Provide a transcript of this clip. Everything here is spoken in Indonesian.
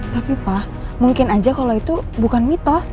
tapi pak mungkin aja kalau itu bukan mitos